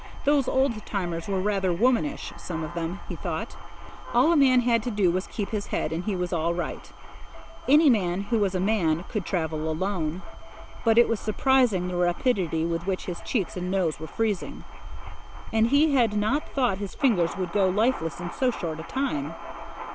Those old timers were rather womanish, some of them, he thought. All a man had to do was to keep his head, and he was all right. Any man who was a man could travel alone. But it was surprising, the rapidity with which his cheeks and nose were freezing. And he had not thought his fingers could go lifeless in so short a time.